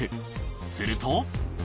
すると。